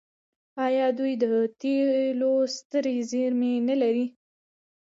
آیا دوی د تیلو سترې زیرمې نلري؟